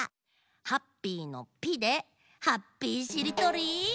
「ハッピー」の「ピ」でハッピーしりとりスタート！